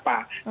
kasus tidak apa